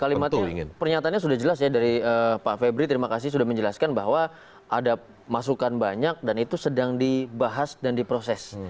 kalimatnya pernyataannya sudah jelas ya dari pak febri terima kasih sudah menjelaskan bahwa ada masukan banyak dan itu sedang dibahas dan diproses